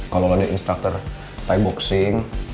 kalau lo ada instructor thai boxing